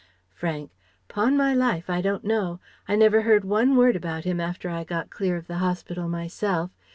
Frank: "'Pon my life I don't know. I never heard one word about him after I got clear of the hospital myself.